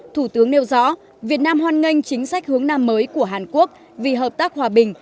thủ tướng nêu rõ việt nam hoan nghênh chính sách hướng nam mới của hàn quốc vì hợp tác hòa bình